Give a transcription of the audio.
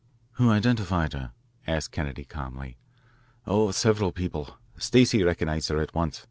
"Who identified her?" asked Kennedy calmly. "Oh, several people. Stacey recognised her at once.